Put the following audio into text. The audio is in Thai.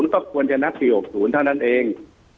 ก็ควรจะนัดปี๖๐เท่านั้นเอง